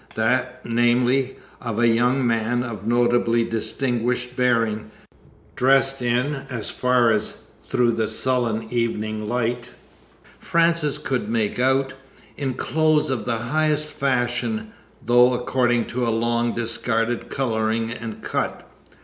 That, namely, of a young man of notably distinguished bearing, dressed (in as far as, through the sullen evening light, Frances could make out) in clothes of the highest fashion, though according to a long discarded coloring and cut."